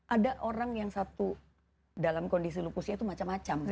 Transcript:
ada orang yang satu dalam kondisi lupusnya itu macam macam